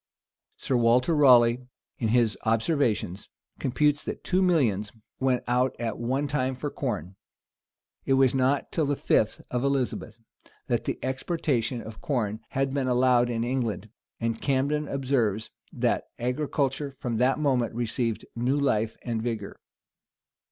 Sir Walter Raleigh, in his Observations, computes that two millions went out at one time for corn. It was not till the fifth of Elizabeth, that the exportation of corn had been allowed in England; and Camden observes, that agriculture from that moment received new life and vigor.